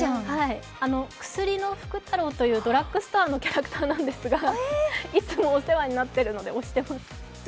くすりの福太郎というドラッグストアのキャラクターなんですがいつもお世話になっているので推してます。